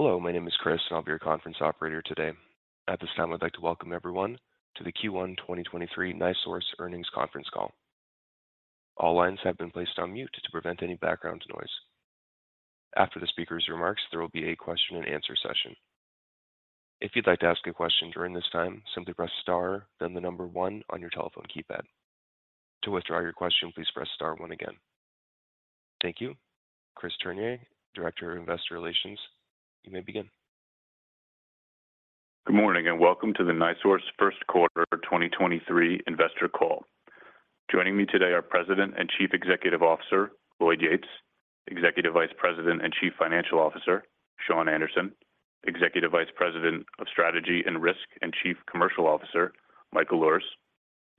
Hello, my name is Chris, and I'll be your conference operator today. At this time, I'd like to welcome everyone to the Q1 2023 NiSource Earnings Conference Call. All lines have been placed on mute to prevent any background noise. After the speaker's remarks, there will be a question and answer session. If you'd like to ask a question during this time, simply press star then the 1 on your telephone keypad. To withdraw your question, please press star 1 again. Thank you. Chris Turnure, Director of Investor Relations, you may begin. Good morning, and welcome to the NiSource First Quarter 2023 Investor Call. Joining me today are President and Chief Executive Officer, Lloyd Yates, Executive Vice President and Chief Financial Officer, Shawn Anderson, Executive Vice President of Strategy and Risk and Chief Commercial Officer, Michael Luhrs,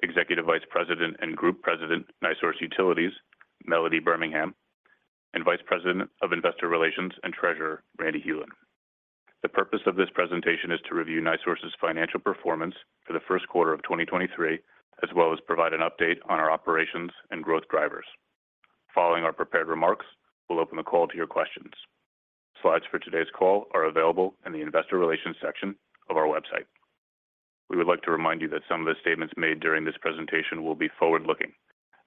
Executive Vice President and Group President, NiSource Utilities, Melody Birmingham, and Vice President of Investor Relations and Treasurer, Randy Hulen. The purpose of this presentation is to review NiSource's financial performance for the first quarter of 2023, as well as provide an update on our operations and growth drivers. Following our prepared remarks, we'll open the call to your questions. Slides for today's call are available in the investor relations section of our website. We would like to remind you that some of the statements made during this presentation will be forward-looking.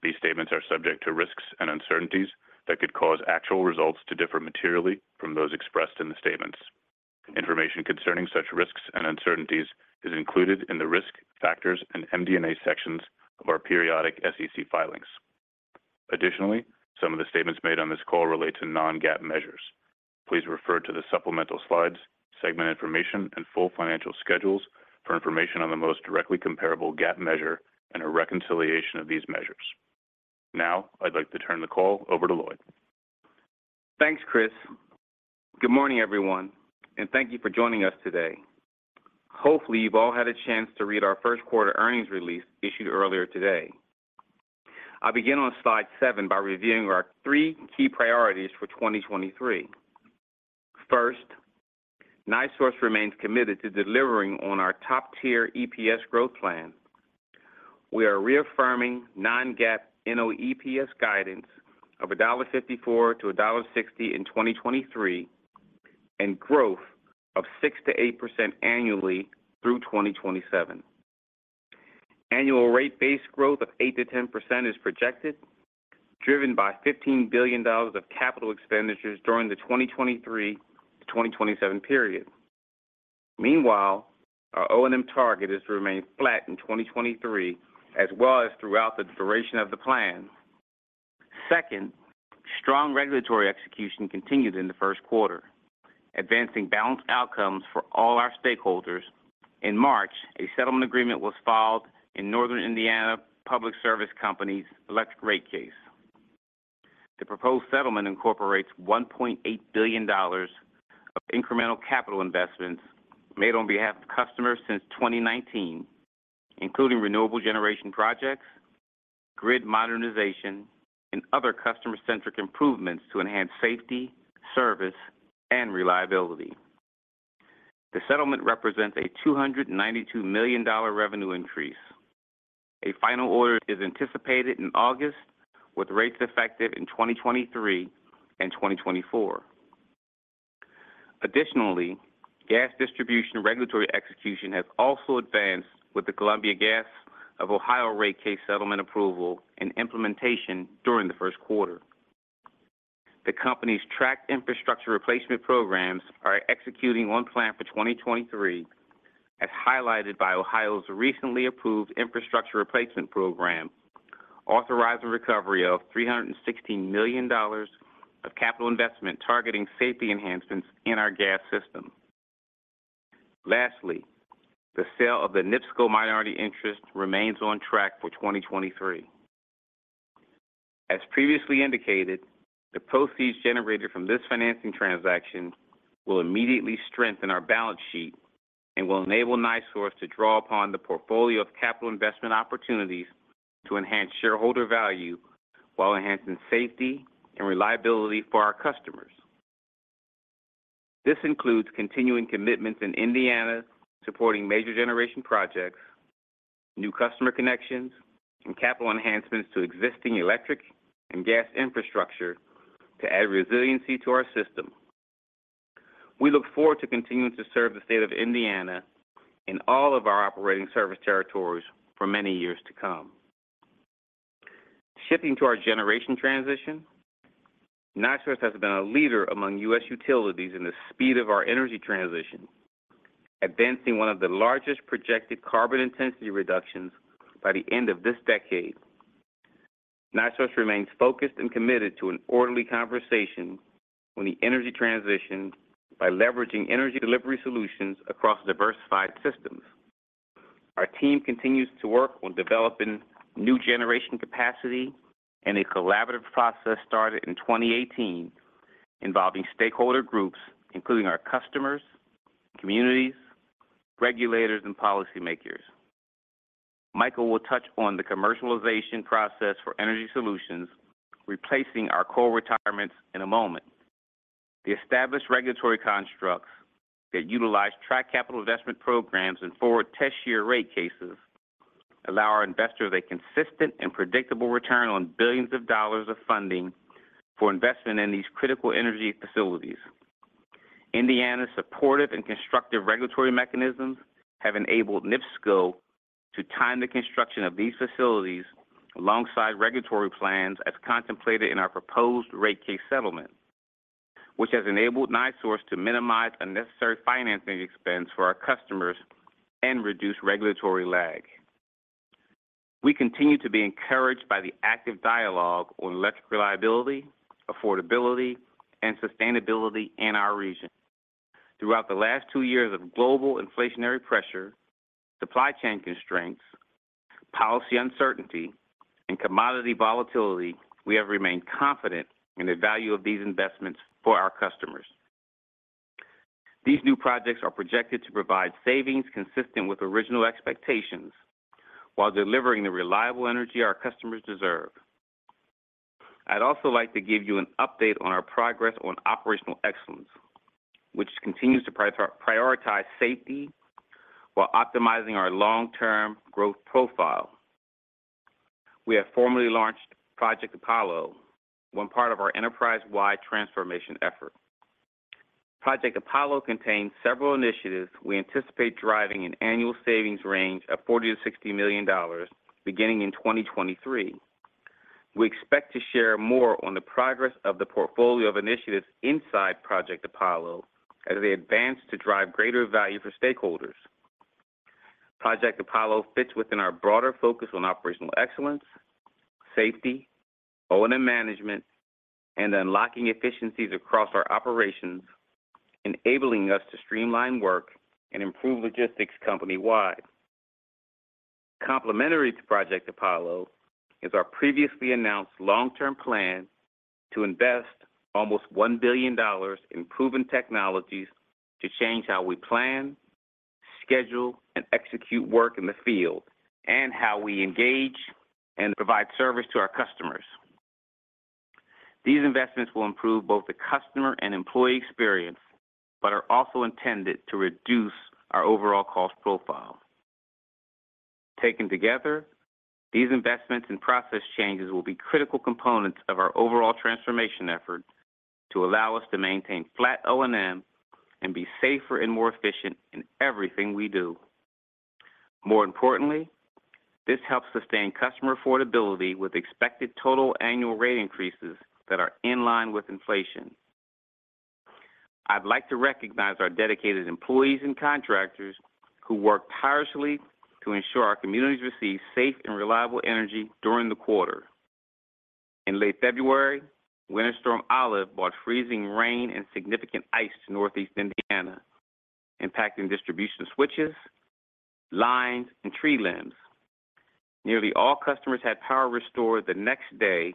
These statements are subject to risks and uncertainties that could cause actual results to differ materially from those expressed in the statements. Information concerning such risks and uncertainties is included in the Risk Factors and MD&A sections of our periodic SEC filings. Some of the statements made on this call relate to non-GAAP measures. Please refer to the supplemental slides, segment information, and full financial schedules for information on the most directly comparable GAAP measure and a reconciliation of these measures. I'd like to turn the call over to Lloyd. Thanks, Chris. Good morning, everyone. Thank you for joining us today. Hopefully, you've all had a chance to read our first quarter earnings release issued earlier today. I'll begin on slide 7 by reviewing our 3 key priorities for 2023. First, NiSource remains committed to delivering on our top-tier EPS growth plan. We are reaffirming non-GAAP NOEPS guidance of $1.54 to $1.60 in 2023 and growth of 6%-8% annually through 2027. Annual rate base growth of 8%-10% is projected, driven by $15 billion of capital expenditures during the 2023-2027 period. Meanwhile, our O&M target is to remain flat in 2023 as well as throughout the duration of the plan. Second, strong regulatory execution continued in the first quarter, advancing balanced outcomes for all our stakeholders. In March, a settlement agreement was filed in Northern Indiana Public Service Company's electric rate case. The proposed settlement incorporates $1.8 billion of incremental capital investments made on behalf of customers since 2019, including renewable generation projects, grid modernization, and other customer-centric improvements to enhance safety, service, and reliability. The settlement represents a $292 million revenue increase. A final order is anticipated in August, with rates effective in 2023 and 2024. Gas distribution regulatory execution has also advanced with the Columbia Gas of Ohio rate case settlement approval and implementation during the first quarter. The company's tracked infrastructure replacement programs are executing on plan for 2023, as highlighted by Ohio's recently approved infrastructure replacement program, authorizing recovery of $360 million of capital investment targeting safety enhancements in our gas system. The sale of the NIPSCO minority interest remains on track for 2023. As previously indicated, the proceeds generated from this financing transaction will immediately strengthen our balance sheet and will enable NiSource to draw upon the portfolio of capital investment opportunities to enhance shareholder value while enhancing safety and reliability for our customers. This includes continuing commitments in Indiana supporting major generation projects, new customer connections, and capital enhancements to existing electric and gas infrastructure to add resiliency to our system. We look forward to continuing to serve the state of Indiana and all of our operating service territories for many years to come. Shifting to our generation transition, NiSource has been a leader among U.S. utilities in the speed of our energy transition, advancing one of the largest projected carbon intensity reductions by the end of this decade. NiSource remains focused and committed to an orderly conversation on the energy transition by leveraging energy delivery solutions across diversified systems. Our team continues to work on developing new generation capacity in a collaborative process started in 2018 involving stakeholder groups, including our customers, communities, regulators, and policymakers. Michael will touch on the commercialization process for energy solutions replacing our core retirements in a moment. The established regulatory constructs that utilize tracked capital investment programs and forward test-year rate cases allow our investors a consistent and predictable return on billions of dollars of funding for investment in these critical energy facilities. Indiana's supportive and constructive regulatory mechanisms have enabled NIPSCO to time the construction of these facilities alongside regulatory plans as contemplated in our proposed rate case settlement, which has enabled NiSource to minimize unnecessary financing expense for our customers and reduce regulatory lag. We continue to be encouraged by the active dialogue on electric reliability, affordability and sustainability in our region. Throughout the last two years of global inflationary pressure, supply chain constraints, policy uncertainty, and commodity volatility, we have remained confident in the value of these investments for our customers. These new projects are projected to provide savings consistent with original expectations while delivering the reliable energy our customers deserve. I'd also like to give you an update on our progress on operational excellence, which continues to prioritize safety while optimizing our long-term growth profile. We have formally launched Project Apollo, one part of our enterprise-wide transformation effort. Project Apollo contains several initiatives we anticipate driving an annual savings range of $40 million-$60 million beginning in 2023. We expect to share more on the progress of the portfolio of initiatives inside Project Apollo as they advance to drive greater value for stakeholders. Project Apollo fits within our broader focus on operational excellence, safety, O&M management, and unlocking efficiencies across our operations, enabling us to streamline work and improve logistics company-wide. Complementary to Project Apollo is our previously announced long-term plan to invest almost $1 billion in proven technologies to change how we plan, schedule, and execute work in the field, and how we engage and provide service to our customers. These investments will improve both the customer and employee experience, but are also intended to reduce our overall cost profile. Taken together, these investments and process changes will be critical components of our overall transformation effort to allow us to maintain flat O&M and be safer and more efficient in everything we do. More importantly, this helps sustain customer affordability with expected total annual rate increases that are in line with inflation. I'd like to recognize our dedicated employees and contractors who worked tirelessly to ensure our communities received safe and reliable energy during the quarter. In late February, Winter Storm Olive brought freezing rain and significant ice to Northeast Indiana, impacting distribution switches, lines, and tree limbs. Nearly all customers had power restored the next day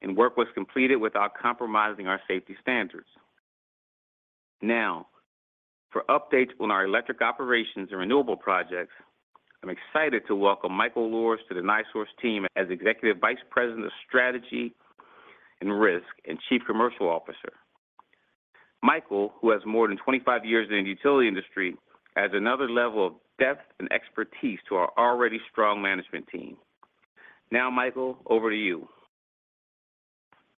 and work was completed without compromising our safety standards. Now, for updates on our electric operations and renewable projects, I'm excited to welcome Michael Luhrs to the NiSource team as Executive Vice President of Strategy and Risk and Chief Commercial Officer. Michael, who has more than 25 years in the utility industry, adds another level of depth and expertise to our already strong management team. Now, Michael, over to you.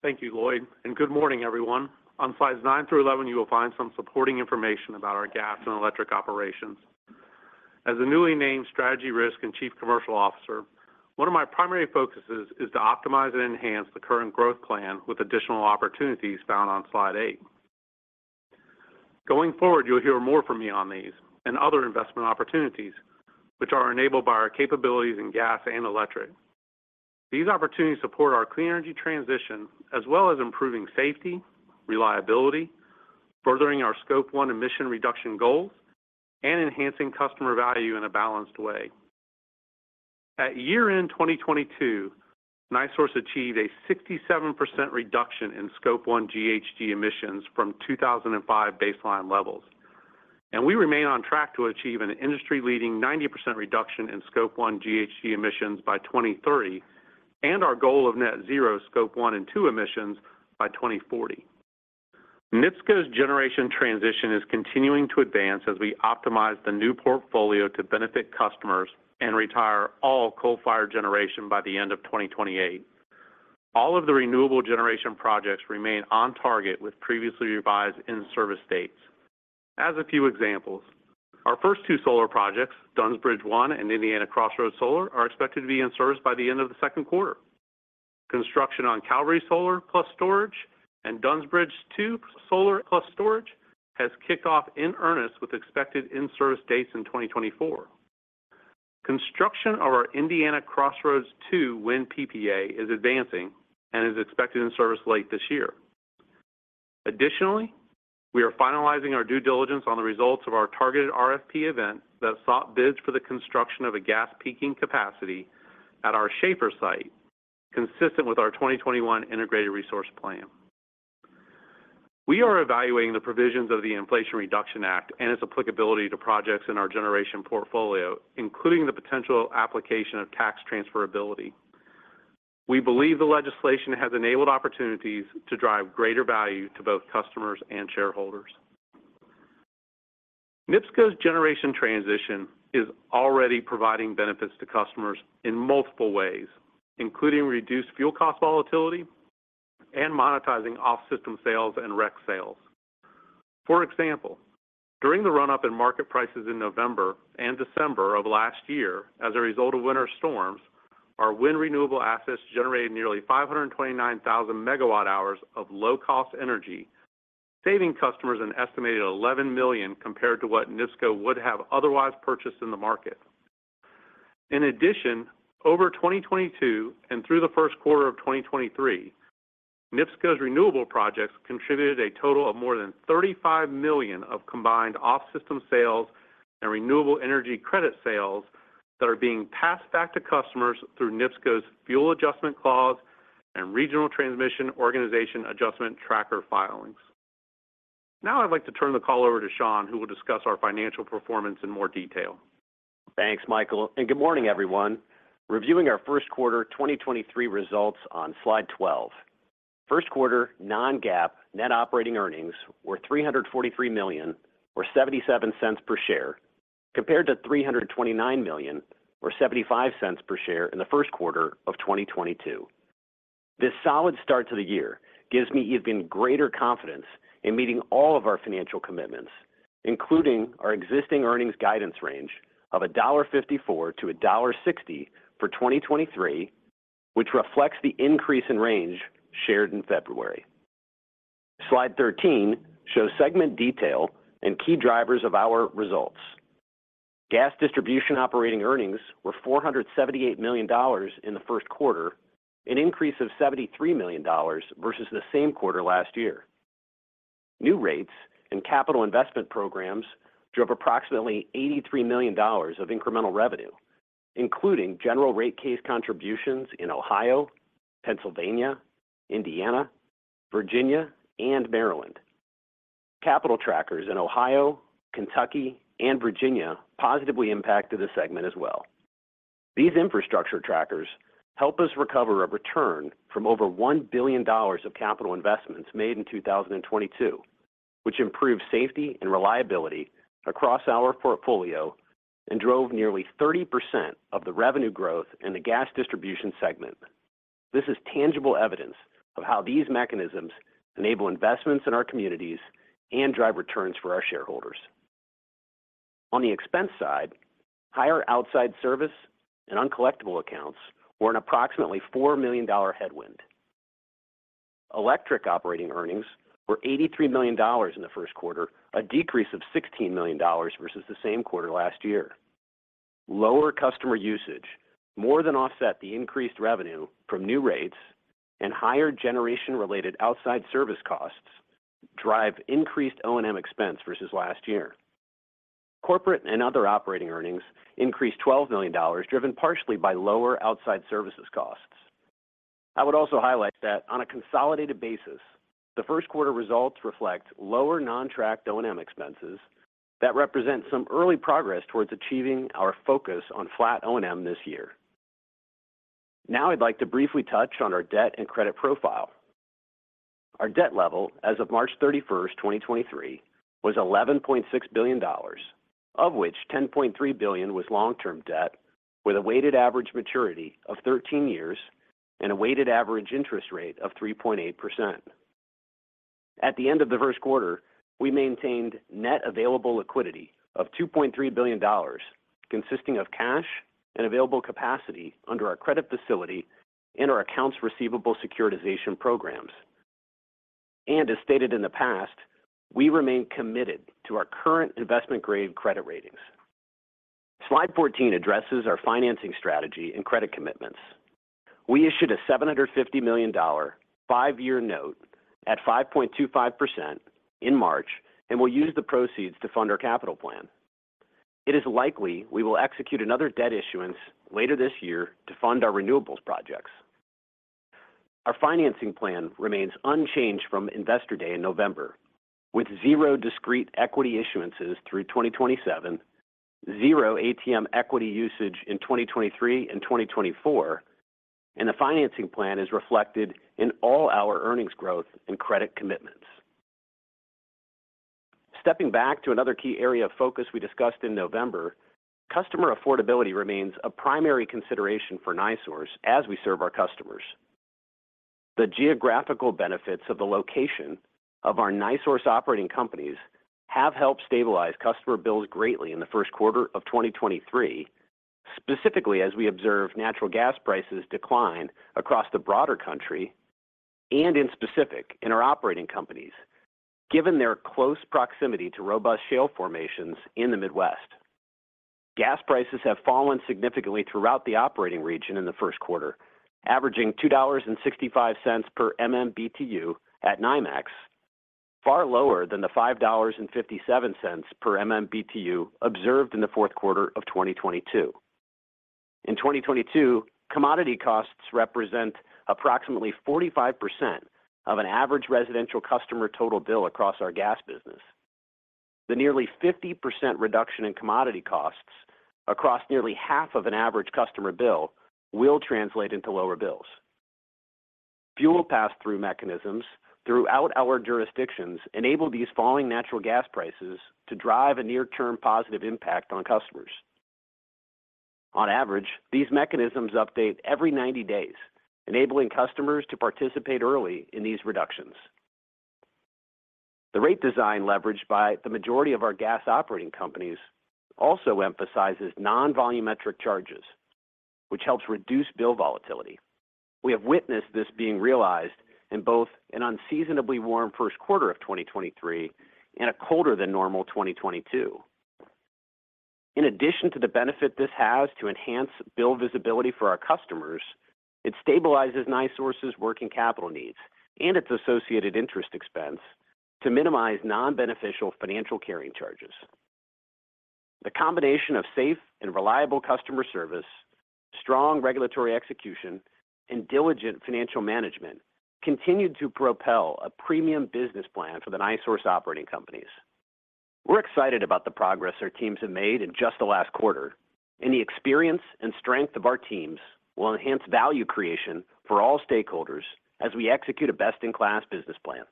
Thank you, Lloyd, and good morning, everyone. On slides 9 through 11, you will find some supporting information about our gas and electric operations. As the newly named Strategy, Risk, and Chief Commercial Officer, one of my primary focuses is to optimize and enhance the current growth plan with additional opportunities found on slide 8. Going forward, you'll hear more from me on these and other investment opportunities which are enabled by our capabilities in gas and electric. These opportunities support our clean energy transition as well as improving safety, reliability, furthering our Scope 1 emission reduction goals, and enhancing customer value in a balanced way. At year-end 2022, NiSource achieved a 67% reduction in Scope 1 GHG emissions from 2005 baseline levels. We remain on track to achieve an industry-leading 90% reduction in Scope 1 GHG emissions by 2030 and our goal of net zero Scope 1 and 2 emissions by 2040. NIPSCO's generation transition is continuing to advance as we optimize the new portfolio to benefit customers and retire all coal-fired generation by the end of 2028. All of the renewable generation projects remain on target with previously revised in-service dates. As a few examples, our first two solar projects, Dunns Bridge I and Indiana Crossroads Solar, are expected to be in service by the end of the second quarter. Construction on Cavalier Solar Plus Storage and Dunns Bridge II Solar Plus Storage has kicked off in earnest with expected in-service dates in 2024. Construction of our Indiana Crossroads II Wind PPA is advancing and is expected in service late this year. Additionally, we are finalizing our due diligence on the results of our targeted RFP event that sought bids for the construction of a gas peaking capacity at our Schahfer site, consistent with our 2021 Integrated Resource Plan. We are evaluating the provisions of the Inflation Reduction Act and its applicability to projects in our generation portfolio, including the potential application of tax transferability. We believe the legislation has enabled opportunities to drive greater value to both customers and shareholders. NIPSCO's generation transition is already providing benefits to customers in multiple ways, including reduced fuel cost volatility and monetizing off-system sales and REC sales. For example, during the run-up in market prices in November and December of last year as a result of winter storms, our wind renewable assets generated nearly 529,000 megawatt hours of low-cost energy, saving customers an estimated $11 million compared to what NIPSCO would have otherwise purchased in the market. In addition, over 2022 and through the first quarter of 2023, NIPSCO's renewable projects contributed a total of more than $35 million of combined off-system sales and renewable energy credit sales that are being passed back to customers through NIPSCO's fuel adjustment clause and regional transmission organization adjustment tracker filings. Now I'd like to turn the call over to Shawn, who will discuss our financial performance in more detail. Thanks, Michael, and good morning, everyone. Reviewing our first quarter 2023 results on slide 12. First quarter non-GAAP net operating earnings were $343 million or $0.77 per share, compared to $329 million or $0.75 per share in the first quarter of 2022. This solid start to the year gives me even greater confidence in meeting all of our financial commitments, including our existing earnings guidance range of $1.54-$1.60 for 2023, which reflects the increase in range shared in February. Slide 13 shows segment detail and key drivers of our results. Gas distribution operating earnings were $478 million in the first quarter, an increase of $73 million versus the same quarter last year. New rates and capital investment programs drove approximately $83 million of incremental revenue, including general rate case contributions in Ohio, Pennsylvania, Indiana, Virginia, and Maryland. Capital trackers in Ohio, Kentucky, and Virginia positively impacted the segment as well. These infrastructure trackers help us recover a return from over $1 billion of capital investments made in 2022, which improved safety and reliability across our portfolio and drove nearly 30% of the revenue growth in the gas distribution segment. This is tangible evidence of how these mechanisms enable investments in our communities and drive returns for our shareholders. On the expense side, higher outside service and uncollectible accounts were an approximately $4 million headwind. Electric operating earnings were $83 million in the first quarter, a decrease of $16 million versus the same quarter last year. Lower customer usage more than offset the increased revenue from new rates and higher generation-related outside service costs drive increased O&M expense versus last year. Corporate and other operating earnings increased $12 million, driven partially by lower outside services costs. I would also highlight that on a consolidated basis, the first quarter results reflect lower non-tracked O&M expenses that represent some early progress towards achieving our focus on flat O&M this year. I'd like to briefly touch on our debt and credit profile. Our debt level as of March 31, 2023, was $11.6 billion, of which $10.3 billion was long-term debt with a weighted average maturity of 13 years and a weighted average interest rate of 3.8%. At the end of the first quarter, we maintained net available liquidity of $2.3 billion, consisting of cash and available capacity under our credit facility and our accounts receivable securitization programs. As stated in the past, we remain committed to our current investment-grade credit ratings. Slide 14 addresses our financing strategy and credit commitments. We issued a $750 million five-year note at 5.25% in March and will use the proceeds to fund our capital plan. It is likely we will execute another debt issuance later this year to fund our renewables projects. Our financing plan remains unchanged from Investor Day in November, with 0 discrete equity issuances through 2027, 0 ATM equity usage in 2023 and 2024, and the financing plan is reflected in all our earnings growth and credit commitments. Stepping back to another key area of focus we discussed in November, customer affordability remains a primary consideration for NiSource as we serve our customers. The geographical benefits of the location of our NiSource operating companies have helped stabilize customer bills greatly in the first quarter of 2023, specifically as we observe natural gas prices decline across the broader country and in specific in our operating companies, given their close proximity to robust shale formations in the Midwest. Gas prices have fallen significantly throughout the operating region in the first quarter, averaging $2.65 per MMBtu at NYMEX, far lower than the $5.57 per MMBtu observed in the fourth quarter of 2022. In 2022, commodity costs represent approximately 45% of an average residential customer total bill across our gas business. The nearly 50% reduction in commodity costs across nearly half of an average customer bill will translate into lower bills. Fuel pass-through mechanisms throughout our jurisdictions enable these falling natural gas prices to drive a near-term positive impact on customers. On average, these mechanisms update every 90 days, enabling customers to participate early in these reductions. The rate design leveraged by the majority of our gas operating companies also emphasizes non-volumetric charges, which helps reduce bill volatility. We have witnessed this being realized in both an unseasonably warm first quarter of 2023 and a colder than normal 2022. In addition to the benefit this has to enhance bill visibility for our customers, it stabilizes NiSource's working capital needs and its associated interest expense to minimize non-beneficial financial carrying charges. The combination of safe and reliable customer service, strong regulatory execution, and diligent financial management continued to propel a premium business plan for the NiSource operating companies. We're excited about the progress our teams have made in just the last quarter, and the experience and strength of our teams will enhance value creation for all stakeholders as we execute a best-in-class business plan.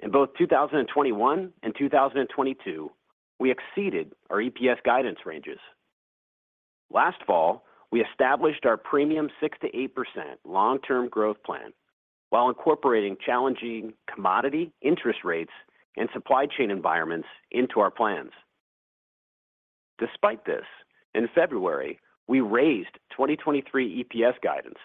In both 2021 and 2022, we exceeded our EPS guidance ranges. Last fall, we established our premium 6%-8% long-term growth plan while incorporating challenging commodity interest rates and supply chain environments into our plans. Despite this, in February, we raised 2023 EPS guidance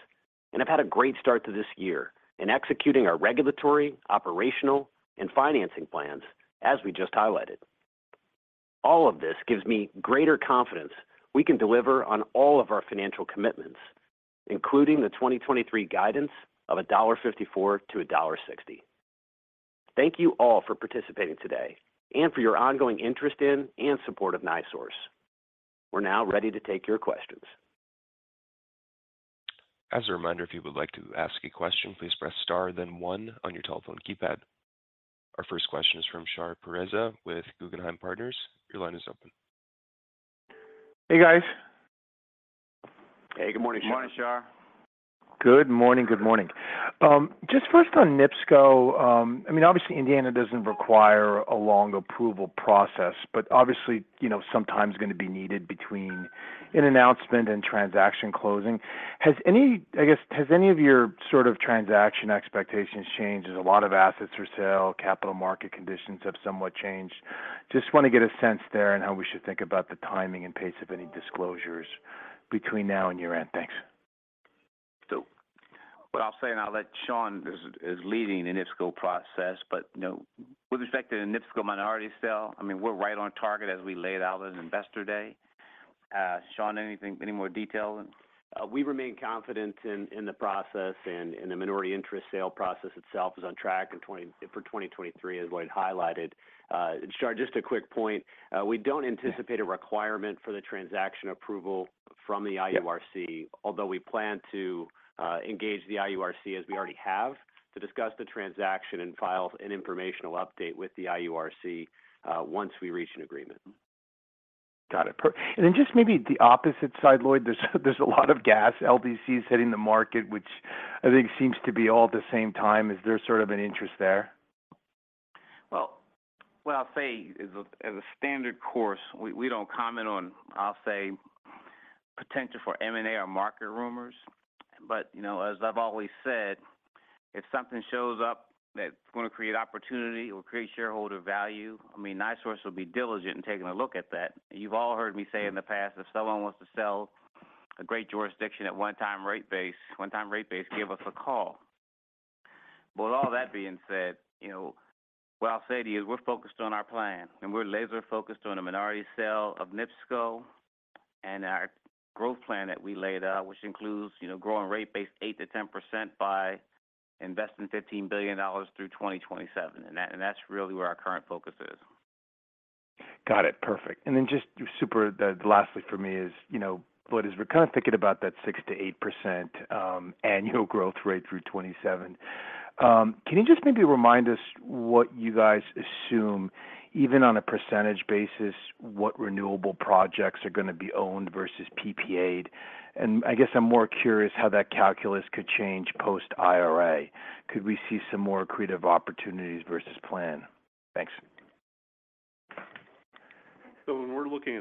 and have had a great start to this year in executing our regulatory, operational, and financing plans as we just highlighted. All of this gives me greater confidence we can deliver on all of our financial commitments, including the 2023 guidance of $1.54-$1.60. Thank you all for participating today and for your ongoing interest in and support of NiSource. We're now ready to take your questions. As a reminder, if you would like to ask a question, please press star then 1 on your telephone keypad. Our first question is from Shar Pourreza with Guggenheim Partners. Your line is open. Hey, guys. Hey, good morning, Shar. Morning, Shar. Good morning. Good morning. Just first on NIPSCO. I mean, obviously Indiana doesn't require a long approval process, but obviously, you know, some time's gonna be needed between an announcement and transaction closing. I guess, has any of your sort of transaction expectations changed? There's a lot of assets for sale, capital market conditions have somewhat changed. Just wanna get a sense there on how we should think about the timing and pace of any disclosures between now and year-end. Thanks. What I'll say, and I'll let Shawn, is leading the NIPSCO process. You know, with respect to the NIPSCO minority sale, I mean, we're right on target as we laid out on Investor Day. Shawn, anything, any more detail? We remain confident in the process. The minority interest sale process itself is on track for 2023, as Lloyd highlighted. Shar, just a quick point. We don't anticipate. Yeah... a requirement for the transaction approval from the IURC. Yep. We plan to engage the IURC, as we already have, to discuss the transaction and file an informational update with the IURC, once we reach an agreement. Got it. Then just maybe the opposite side, Lloyd. There's a lot of gas LDCs hitting the market, which I think seems to be all at the same time. Is there sort of an interest there? Well, what I'll say, as a standard course, we don't comment on, I'll say, potential for M&A or market rumors. You know, as I've always said, if something shows up that's gonna create opportunity or create shareholder value, I mean, NiSource will be diligent in taking a look at that. You've all heard me say in the past, if someone wants to sell a great jurisdiction at one time rate base, give us a call. With all that being said, you know, what I'll say to you is we're focused on our plan, and we're laser focused on a minority sale of NIPSCO and our growth plan that we laid out, which includes, you know, growing rate base 8%-10% by investing $15 billion through 2027. That's really where our current focus is. Got it. Perfect. Just super lastly for me is, you know, Lloyd, as we're kind of thinking about that 6%-8% annual growth rate through 2027, can you just maybe remind us what you guys assume, even on a percentage basis, what renewable projects are gonna be owned versus PPA'd? I guess I'm more curious how that calculus could change post-IRA. Could we see some more creative opportunities versus plan? Thanks.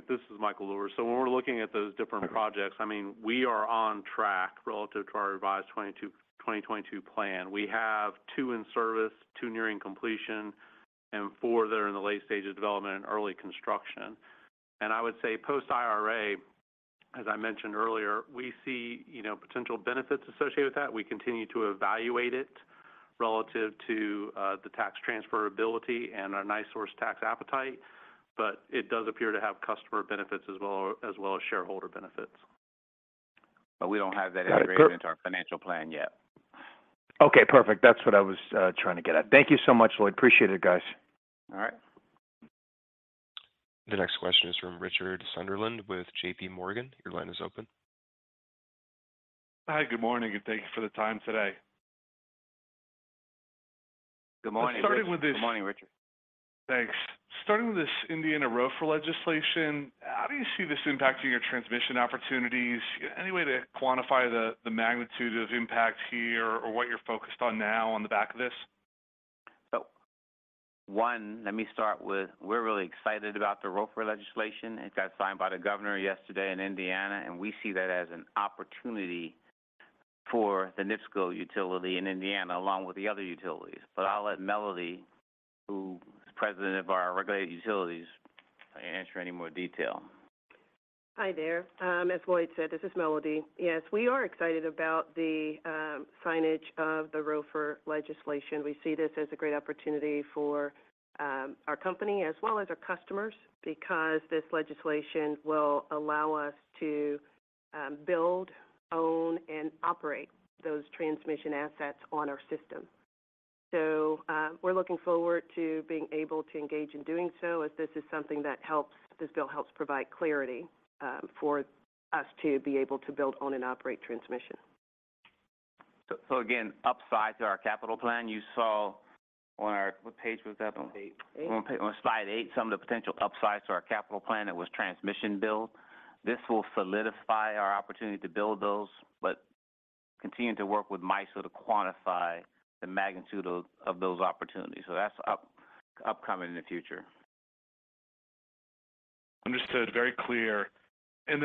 This is Michael Luhrs. When we're looking at those different projects. Okay I mean, we are on track relative to our revised 2022 plan. We have 2 in service, 2 nearing completion, and 4 that are in the late stages of development and early construction. I would say post-IRA, as I mentioned earlier, we see, you know, potential benefits associated with that. We continue to evaluate it relative to the tax transferability and our NiSource tax appetite, but it does appear to have customer benefits as well, as well as shareholder benefits. We don't have that integrated. Got it. into our financial plan yet. Okay, perfect. That's what I was trying to get at. Thank you so much, Lloyd. Appreciate it, guys. All right. The next question is from Richard Sunderland with JP Morgan. Your line is open. Hi. Good morning, and thank you for the time today. Good morning, Richard. Starting with this. Good morning, Richard. Thanks. Starting with this Indiana ROFR legislation, how do you see this impacting your transmission opportunities? Any way to quantify the magnitude of impact here or what you're focused on now on the back of this? Let me start with we're really excited about the ROFR legislation. It got signed by the governor yesterday in Indiana, we see that as an opportunity for the NIPSCO utility in Indiana, along with the other utilities. I'll let Melody, who is President of our regulated utilities, answer any more detail. Hi there. As Lloyd said, this is Melody. Yes, we are excited about the signage of the ROFR legislation. We see this as a great opportunity for our company as well as our customers because this legislation will allow us to build, own, and operate those transmission assets on our system. We're looking forward to being able to engage in doing so, as this is something that this bill helps provide clarity for us to be able to build, own and operate transmission. again, upside to our capital plan, you saw on our. What page was that on? Page 8. On slide 8, some of the potential upsides to our capital plan that was transmission build. This will solidify our opportunity to build those, but continuing to work with MISO to quantify the magnitude of those opportunities. That's upcoming in the future. Understood. Very clear.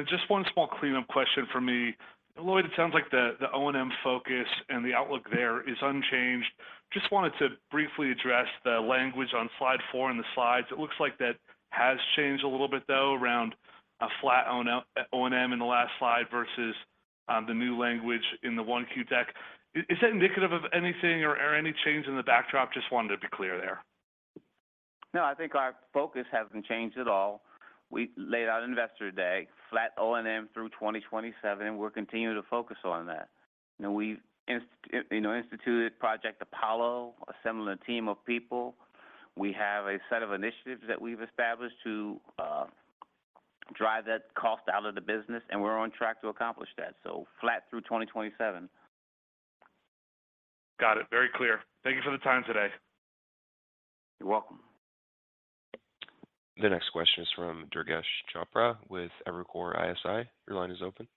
Just one small cleanup question for me. Lloyd, it sounds like the O&M focus and the outlook there is unchanged. Just wanted to briefly address the language on slide four in the slides. It looks like that has changed a little bit though, around a flat O&M in the last slide versus the new language in the 1Q deck. Is that indicative of anything or any change in the backdrop? Just wanted to be clear there. No, I think our focus hasn't changed at all. We laid out Investor Day, flat O&M through 2027, and we're continuing to focus on that. You know, we've instituted Project Apollo, assembled a team of people. We have a set of initiatives that we've established to drive that cost out of the business, and we're on track to accomplish that. Flat through 2027. Got it. Very clear. Thank you for the time today. You're welcome. The next question is from Durgesh Chopra with Evercore ISI. Your line is open.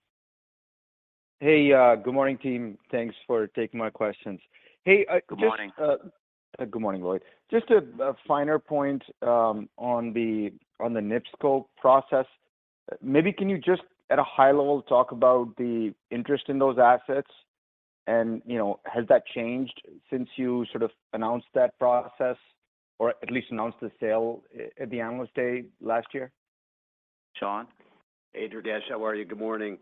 Hey, good morning, team. Thanks for taking my questions. Hey. Good morning. Good morning, Lloyd. Just a finer point on the NIPSCO process. Maybe can you just at a high level, talk about the interest in those assets and, you know, has that changed since you sort of announced that process or at least announced the sale at the Analyst Day last year? Shawn? Hey, Durgesh. How are you? Good morning.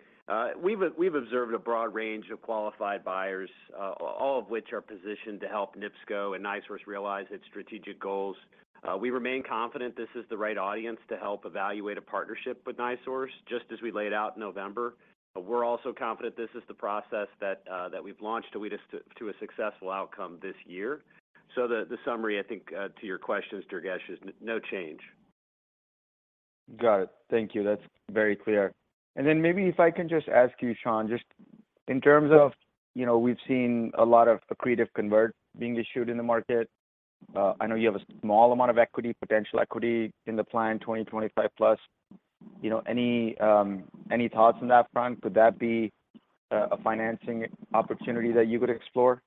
We've observed a broad range of qualified buyers, all of which are positioned to help NIPSCO and NiSource realize its strategic goals. We remain confident this is the right audience to help evaluate a partnership with NiSource, just as we laid out in November. We're also confident this is the process that we've launched to lead us to a successful outcome this year. The summary, I think, to your question, Durgesh, is no change. Got it. Thank you. That's very clear. Maybe if I can just ask you, Shawn, just in terms of, you know, we've seen a lot of accretive convert being issued in the market. I know you have a small amount of equity, potential equity in the plan 2025 plus. You know, any thoughts on that front? Could that be a financing opportunity that you would explore?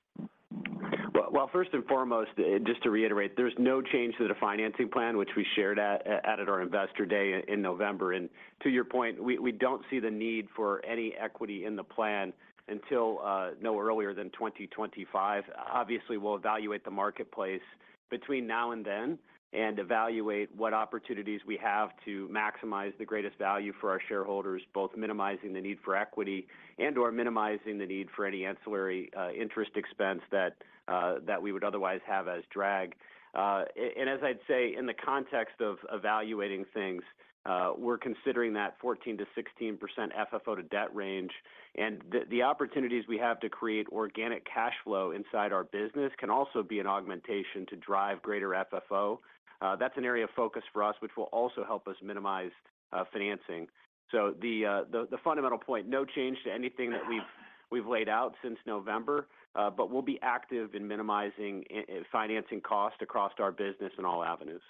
Well, first and foremost, just to reiterate, there's no change to the financing plan which we shared at our Investor Day in November. To your point, we don't see the need for any equity in the plan until no earlier than 2025. Obviously, we'll evaluate the marketplace between now and then and evaluate what opportunities we have to maximize the greatest value for our shareholders, both minimizing the need for equity and/or minimizing the need for any ancillary interest expense that we would otherwise have as drag. As I'd say in the context of evaluating things, we're considering that 14%-16% FFO to debt range. The opportunities we have to create organic cash flow inside our business can also be an augmentation to drive greater FFO. That's an area of focus for us, which will also help us minimize financing. The fundamental point, no change to anything that we've laid out since November. We'll be active in minimizing and financing costs across our business in all avenues.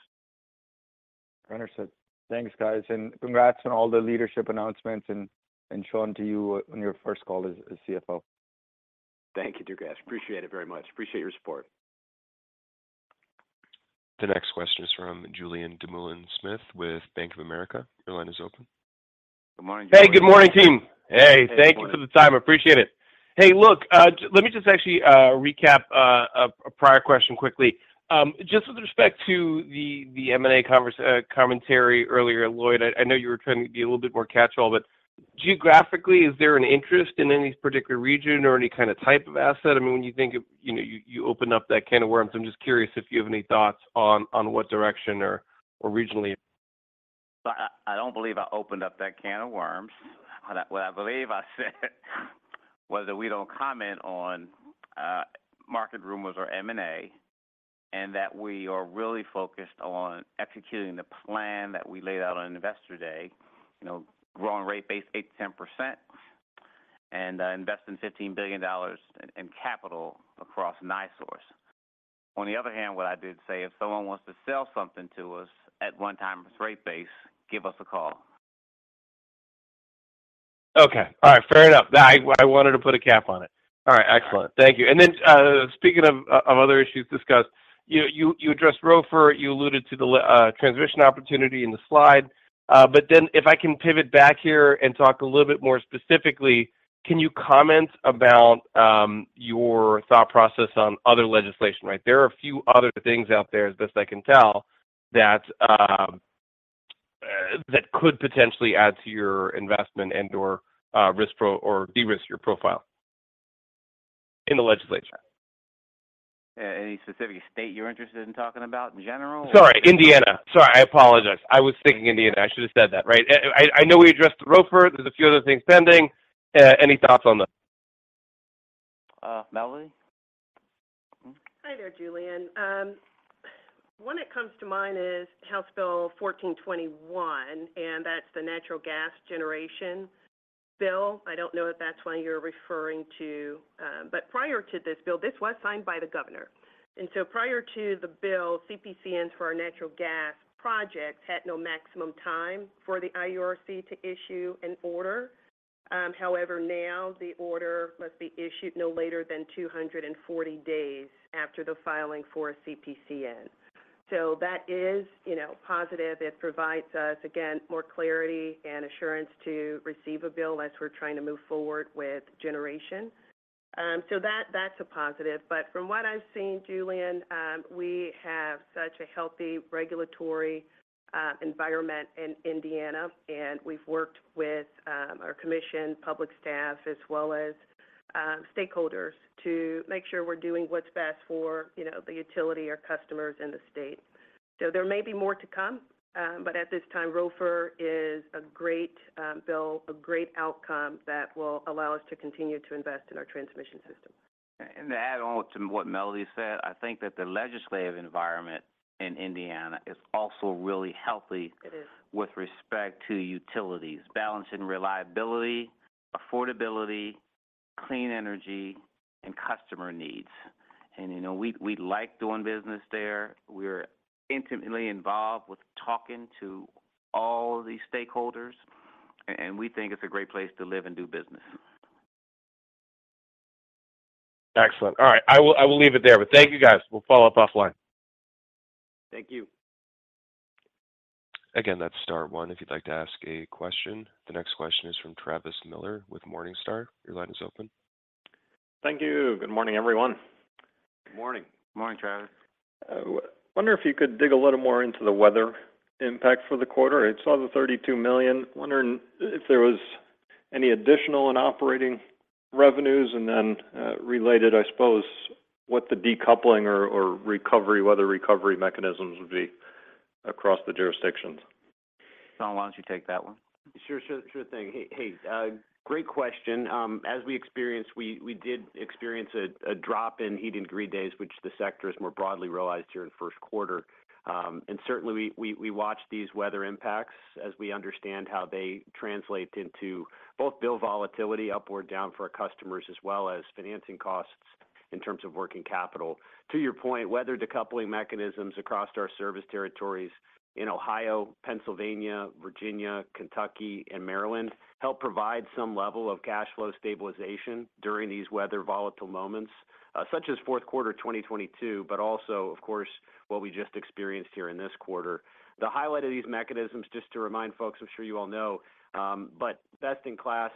Understood. Thanks, guys. Congrats on all the leadership announcements and Shawn to you on your first call as CFO. Thank you, Durgesh. Appreciate it very much. Appreciate your support. The next question is from Julien Dumoulin-Smith with Bank of America. Your line is open. Good morning, Julien. Hey, good morning, team. Hey. Good morning. Thank you for the time. Appreciate it. Hey, look, let me just actually recap a prior question quickly. Just with respect to the M&A commentary earlier, Lloyd, I know you were trying to be a little bit more catch-all, but geographically, is there an interest in any particular region or any kind of type of asset? I mean, when you think of, you know, you opened up that can of worms. I'm just curious if you have any thoughts on what direction or regionally. I don't believe I opened up that can of worms. What I believe I said was that we don't comment on market rumors or M&A, and that we are really focused on executing the plan that we laid out on Investor Day. You know, growing rate base 8%-10% and investing $15 billion in capital across NiSource. On the other hand, what I did say, if someone wants to sell something to us at one time it's rate-based, give us a call. Okay. All right. Fair enough. I wanted to put a cap on it. All right. Excellent. Thank you. Speaking of other issues discussed, you addressed ROFR. You alluded to the transmission opportunity in the slide. If I can pivot back here and talk a little bit more specifically, can you comment about your thought process on other legislation? Right, there are a few other things out there, as best I can tell, that could potentially add to your investment and/or de-risk your profile in the legislature. Any specific state you're interested in talking about in general? Sorry, Indiana. Sorry, I apologize. I was thinking Indiana. I should have said that, right? I know we addressed the ROFR. There's a few other things pending. Any thoughts on them? Melody? Hmm? Hi there, Julien. One that comes to mind is House Bill 1421, and that's the natural gas generation bill. I don't know if that's what you're referring to. But prior to this bill, this was signed by the governor. Prior to the bill, CPCNs for our natural gas projects had no maximum time for the IURC to issue an order. However, now the order must be issued no later than 240 days after the filing for a CPCN. That is, you know, positive. It provides us, again, more clarity and assurance to receive a bill as we're trying to move forward with generation. That's a positive. From what I've seen, Julien, we have such a healthy regulatory environment in Indiana, and we've worked with our commission, public staff, as well as stakeholders to make sure we're doing what's best for, you know, the utility, our customers, and the state. There may be more to come, but at this time, ROFR is a great bill, a great outcome that will allow us to continue to invest in our transmission system. To add on to what Melody said, I think that the legislative environment in Indiana is also really healthy- It is ...with respect to utilities, balancing reliability, affordability, clean energy, and customer needs. you know, we like doing business there. We're intimately involved with talking to all the stakeholders, and we think it's a great place to live and do business. Excellent. All right. I will leave it there. Thank you guys. We'll follow up offline. Thank you. Again, that's star one if you'd like to ask a question. The next question is from Travis Miller with Morningstar. Your line is open. Thank you. Good morning, everyone. Morning. Morning, Travis. I wonder if you could dig a little more into the weather impact for the quarter. I saw the $32 million. Wondering if there was any additional in operating revenues. Then, related, I suppose, what the decoupling or recovery, weather recovery mechanisms would be across the jurisdictions? Shawn, why don't you take that one? Sure, sure thing. Hey, great question. As we experienced, we did experience a drop in heat and degree days, which the sector has more broadly realized here in first quarter. Certainly we watch these weather impacts as we understand how they translate into both bill volatility upward or down for our customers, as well as financing costs in terms of working capital. To your point, weather decoupling mechanisms across our service territories in Ohio, Pennsylvania, Virginia, Kentucky, and Maryland help provide some level of cash flow stabilization during these weather volatile moments, such as fourth quarter 2022, also, of course, what we just experienced here in this quarter. The highlight of these mechanisms, just to remind folks, I'm sure you all know, but best in class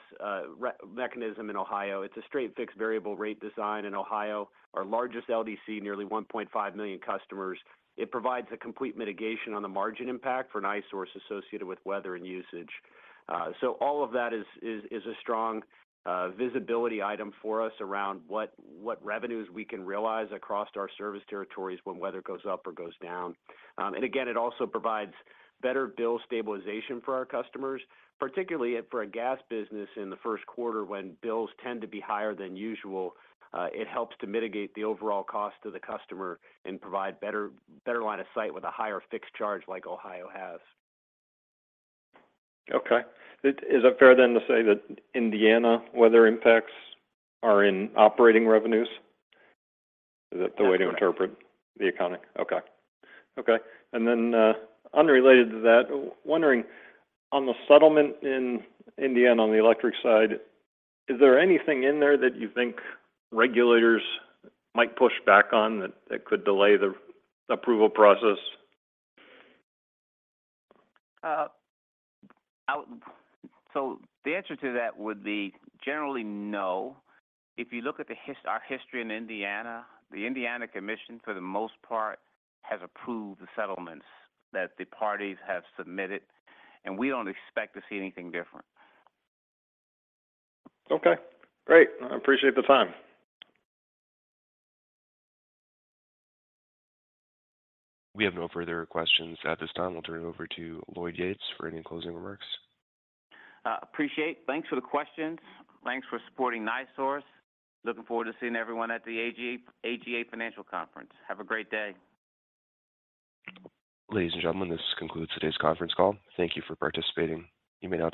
mechanism in Ohio, it's a Straight Fixed Variable rate design in Ohio, our largest LDC, nearly 1.5 million customers. It provides a complete mitigation on the margin impact for NiSource associated with weather and usage. All of that is a strong visibility item for us around what revenues we can realize across our service territories when weather goes up or goes down. And again, it also provides better bill stabilization for our customers, particularly for a gas business in the first quarter when bills tend to be higher than usual, it helps to mitigate the overall cost to the customer and provide better line of sight with a higher fixed charge like Ohio has. Okay. Is it fair then to say that Indiana weather impacts are in operating revenues? Is that the way to interpret the economic. Okay. Okay. Unrelated to that, wondering on the settlement in Indiana on the electric side, is there anything in there that you think regulators might push back on that that could delay the approval process? The answer to that would be generally no. If you look at our history in Indiana, the Indiana Commission, for the most part, has approved the settlements that the parties have submitted, we don't expect to see anything different. Okay, great. I appreciate the time. We have no further questions at this time. We'll turn it over to Lloyd Yates for any closing remarks. Appreciate. Thanks for the questions. Thanks for supporting NiSource. Looking forward to seeing everyone at the AGA Financial Forum. Have a great day. Ladies and gentlemen, this concludes today's conference call. Thank you for participating. You may now disconnect.